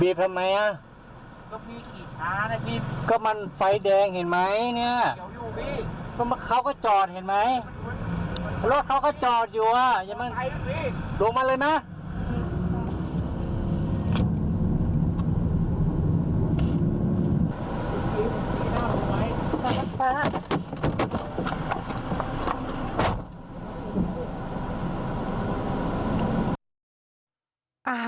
รถเขาก็จอดอยู่เดี๋ยวมันโดนมาเลยนะ